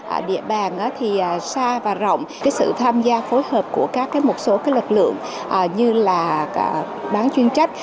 ở địa bàn thì xa và rộng cái sự tham gia phối hợp của các một số lực lượng như là bán chuyên trách